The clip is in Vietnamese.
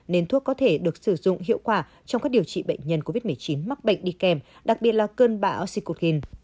nên thuốc có thể được sử dụng hiệu quả trong các điều trị bệnh nhân covid một mươi chín mắc bệnh đi kèm đặc biệt là cơn bão sicoin